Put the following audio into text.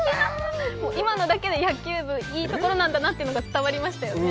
今のだけで、野球部、いいところなんだなと伝わりましたよね。